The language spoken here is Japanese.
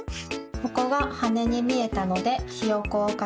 ここがはねにみえたのでひよこをかきました。